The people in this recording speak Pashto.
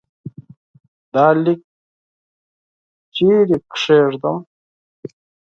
دا لیک چيري کښېږدم ؟